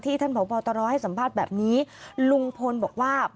ที่ท่านผู้บัญชาการตำรวจแห่งชาติให้สัมภาษณ์แบบนี้ลุงพลบอกว่า